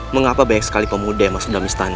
mengapa banyak sekali pemuda yang masuk dalam istana